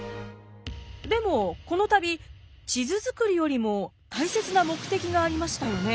でもこの旅地図作りよりも大切な目的がありましたよね。